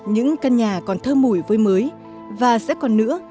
những căn nhà còn thơ mùi với mới và sẽ còn nữa